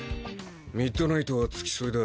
ミッドナイトは付きそいだ。